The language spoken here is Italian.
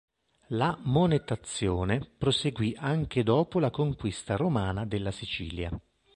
La monetazione proseguì anche dopo la conquista romana della Sicilia.